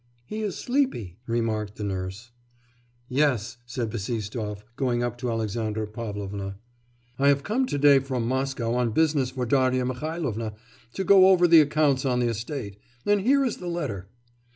'He is sleepy,' remarked the nurse. 'Yes,' said Bassistoff, going up to Alexandra Pavlovna, 'I have come to day from Moscow on business for Darya Mihailovna to go over the accounts on the estate. And here is the letter.